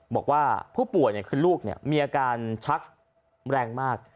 บอกว่าผู้ป่วยคือลูกมีอาการชักแรงมาก